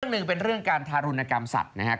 หนึ่งเป็นเรื่องการทารุณกรรมสัตว์นะครับ